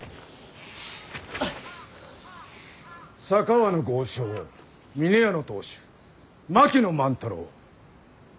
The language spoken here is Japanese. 佐川の豪商峰屋の当主槙野万太郎。